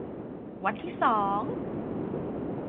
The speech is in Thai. วันที่สอง